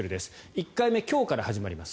１回目は今日から始まります。